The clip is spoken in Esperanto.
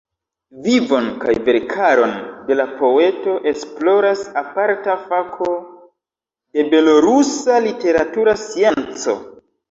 Vivon kaj verkaron de la poeto, esploras aparta fako de belorusa literatura scienco.